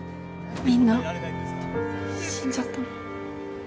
みんな死んじゃったの？